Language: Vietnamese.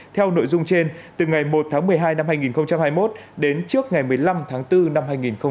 theo nội dung trên từ ngày một tháng một mươi hai năm hai nghìn hai mươi một đến trước ngày một mươi năm tháng bốn năm hai nghìn hai mươi